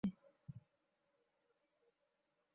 এক ভাদাইম্মার সাথে সর্বত্র ঘুরে বেড়িয়েছে।